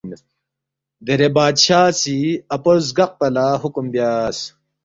دیرے بادشاہ سی اپو زگقپا لہ حکم بیاس